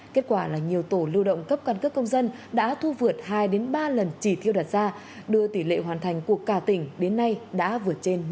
kết quả là nhiều tổ lưu động cấp căn cước công dân đã thu vượt hai ba lần chỉ tiêu đặt ra đưa tỷ lệ hoàn thành của cả tỉnh đến nay đã vượt trên một mươi